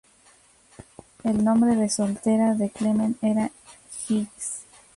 El nombre de soltera de Clement era Giggs.